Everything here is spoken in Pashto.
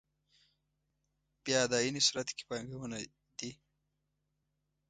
بیا اداينې صورت کې پانګونه دي.